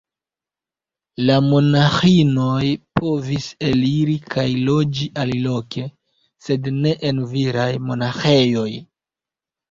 La monaĥinoj povis eliri kaj loĝi aliloke, sed ne en viraj monaĥejoj.